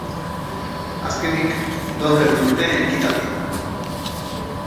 Azkenik, gaur egin dute ekitaldia.